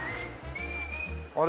あれ？